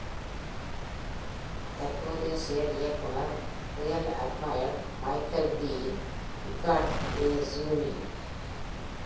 தற்போதைய செயல்-இயக்குனர் Rear Admiral Michael D. Weahkee, a Zuni.